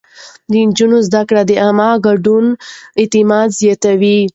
د نجونو زده کړه د عامه ګډون اعتماد زياتوي.